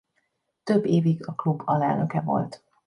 Több évig a klub alelnöke volt.